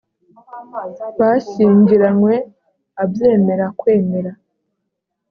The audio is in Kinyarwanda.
bashyingiranywe abyemera kwemera